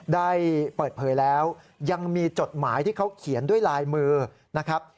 ได้เปิดเผยแล้วยังมีจดหมายที่เขาเขียนด้วยลายมือนะครับ